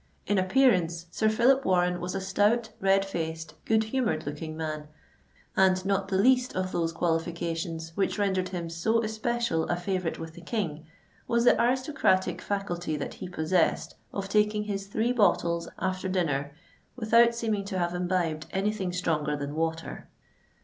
In appearance, Sir Phillip Warren was a stout, red faced, good humoured looking man; and not the least of those qualifications which rendered him so especial a favourite with the King, was the aristocratic faculty that he possessed of taking his three bottles after dinner without seeming to have imbibed any thing stronger than water.